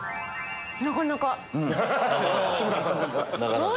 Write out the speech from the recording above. なかなか。